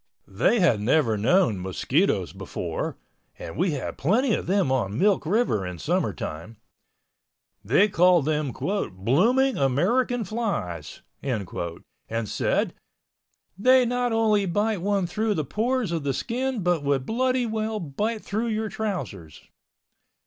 They had never known mosquitoes before (and we had plenty of them on Milk River in summertime). They called them "blooming American flies" and said "they not only bite one through to the pores of the skin but would bloody well bite through your trousers."